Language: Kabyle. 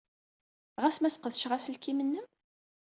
Ɣas ma sqedceɣ aselkim-nnem?